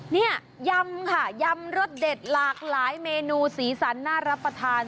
นี่ยำค่ะยำรสเด็ดหลากหลายเมนูสีสันน่ารับประทาน